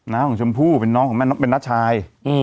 ้าของชมพู่เป็นน้องของแม่น้องเป็นน้าชาย